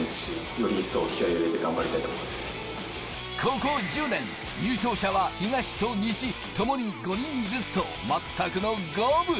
ここ１０年優勝者は東と西、ともに５人ずつと、まったくの五分。